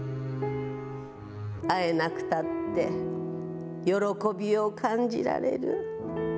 会えなくたって、喜びを感じられる。